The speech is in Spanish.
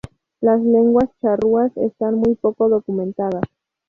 Las lenguas charrúas están muy poco documentadas.